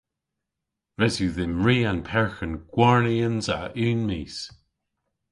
Res yw dhymm ri an perghen gwarnyans a unn mis.